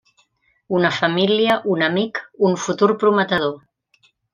Una família, un amic, un futur prometedor.